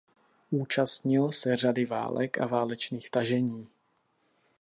Účastnil se řady válek a válečných tažení.